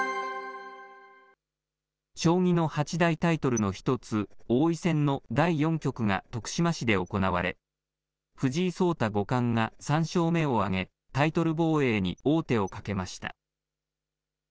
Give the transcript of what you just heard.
将棋の八大タイトルの１つ、王位戦の第４局が徳島市で行われ、藤井聡太五冠が３勝目を挙げ、タイトル防衛に王手をかけました。